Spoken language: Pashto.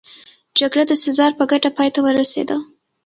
جګړه د سزار په ګټه پای ته ورسېده